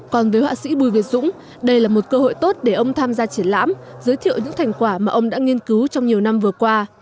còn với họa sĩ bùi việt dũng đây là một cơ hội tốt để ông tham gia triển lãm giới thiệu những thành quả mà ông đã nghiên cứu trong nhiều năm vừa qua